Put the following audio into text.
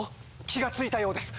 気が付いたようです。